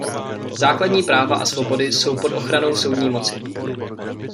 Základní práva a svobody jsou pod ochranou soudní moci.